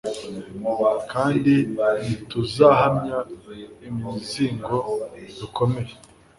kandi ntiruzahamya imizi ngo rukomere